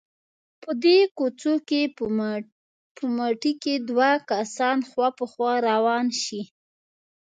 په دې کوڅو کې په مټې که دوه کسان خوا په خوا روان شي.